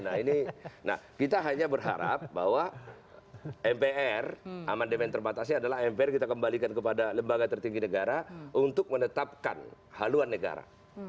nah ini kita hanya berharap bahwa mpr amandemen terbatasnya adalah mpr kita kembalikan kepada lembaga tertinggi negara untuk menetapkan haluan negara